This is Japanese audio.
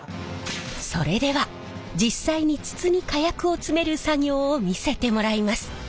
それでは実際に筒に火薬を詰める作業を見せてもらいます。